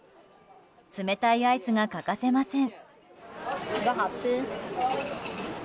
冷たいアイスが欠かせません。